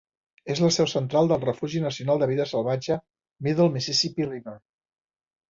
És la seu central del refugi nacional de vida salvatge Middle Mississippi River.